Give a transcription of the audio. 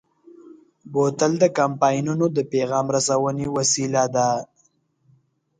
بوتل د کمپاینونو د پیغام رسونې وسیله ده.